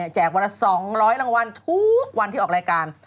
วันละ๒๐๐รางวัลทุกวันที่ออกรายการ